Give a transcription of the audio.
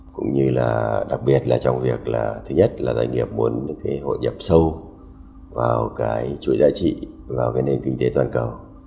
cũng như là đặc biệt là trong việc là thứ nhất là doanh nghiệp muốn thể hội nhập sâu vào cái chuỗi giá trị vào cái nền kinh tế toàn cầu